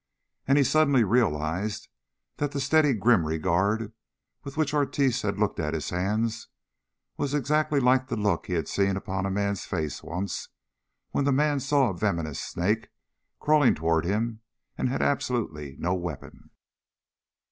And he suddenly realized that the steady, grim regard with which Ortiz looked at his hands was exactly like the look he had seen upon a man's face once, when that man saw a venomous snake crawling toward him and had absolutely no weapon.